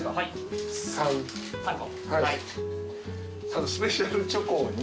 あとスペシャルチョコを２。